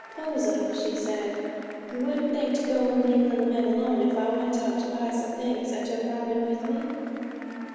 'Posy,' she said, 'you wouldn't think to go and leave little Meg alone if I went out to buy some things, and took Robin with me?'